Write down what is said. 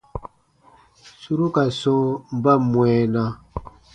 Suru ka sɔ̃ɔ ba mwɛɛna.